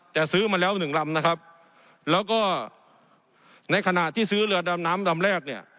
แต่ซื้อมาแล้วหนึ่งลำนะครับแล้วก็ในขณะที่ซื้อเรือดำน้ำลำแรกเนี่ย